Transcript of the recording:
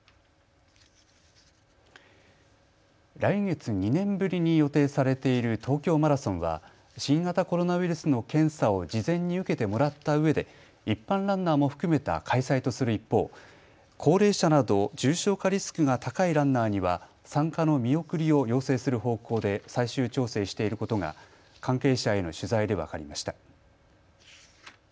来月、２年ぶりに予定されている東京マラソンは新型コロナウイルスの検査を事前に受けてもらったうえで一般ランナーも含めた開催とする一方、高齢者など重症化リスクが高いランナーには、参加の見送りを要請する方向で最終調整していることが関係者への取材で分かりました。